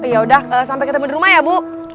yaudah sampai ketemu di rumah ya bu